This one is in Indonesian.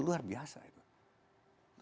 luar biasa itu